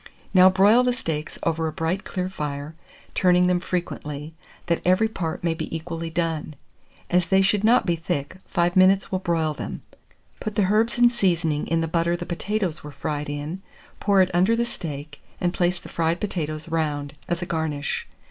Now broil the steaks over a bright clear fire, turning them frequently, that every part may be equally done: as they should not be thick, 5 minutes will broil them. Put the herbs and seasoning in the butter the potatoes were fried in, pour it under the steak, and place the fried potatoes round, as a garnish.